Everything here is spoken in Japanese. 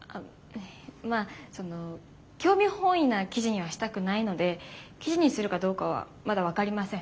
まあその興味本位な記事にはしたくないので記事にするかどうかはまだ分かりません。